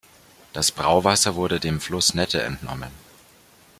Das Brauwasser wurde dem Fluss Nette entnommen.